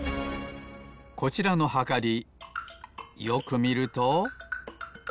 こちらのはかりよくみると。